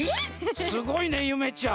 すごいねゆめちゃん。